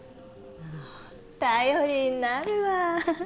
ああ頼りになるわ